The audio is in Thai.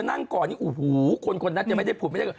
น่าเกลียดมากเลยรู้ป่าว